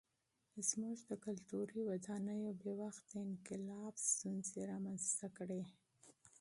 زموږ د کلتوري ودانیو بې وخته انقلاب ستونزې رامنځته کړې.